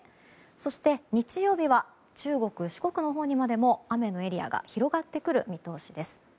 そして、日曜日は中国・四国のほうにまでも雨のエリアが広がってくる見通しです。